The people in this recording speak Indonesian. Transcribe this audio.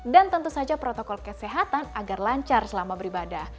dan tentu saja protokol kesehatan agar lancar selama beribadah